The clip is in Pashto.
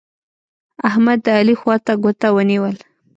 احمد؛ د علي خوا ته ګوته ونيول.